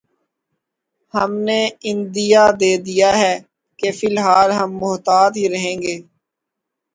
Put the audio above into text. ہم نے عندیہ دے دیا ہے کہ فی الحال ہم محتاط ہی رہیں گے۔